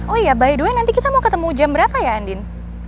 oh iya by the way nanti kita mau ketemu jam berapa ya andin